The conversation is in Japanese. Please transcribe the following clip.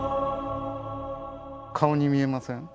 顔に見えません？